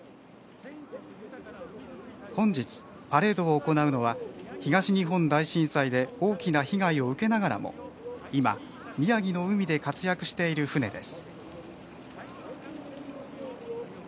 本日パレードを行うのは東日本大震災で大きな被害を受けながらも今、宮城の海で活躍している船です。